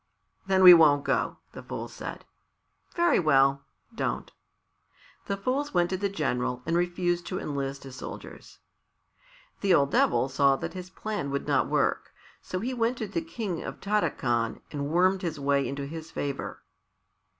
"Then we won't go," the fools said. "Very well, don't." The fools went to the general and refused to enlist as soldiers. The old Devil saw that his plan would not work, so he went to the King of Tarakan and wormed himself into his favour.